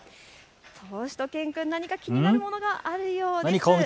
しゅと犬くん、何か気になるものがあるようです。